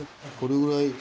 これぐらい？